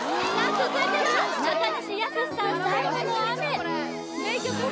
続いては中西保志さん「最後の雨」